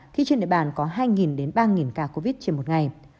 khi trên địa bàn có hai đến ba ca covid trên một ngày